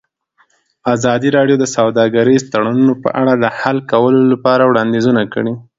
ازادي راډیو د سوداګریز تړونونه په اړه د حل کولو لپاره وړاندیزونه کړي.